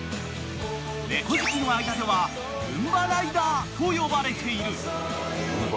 ［猫好きの間ではルンバライダーと呼ばれている］